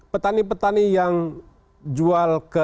petani petani yang jual ke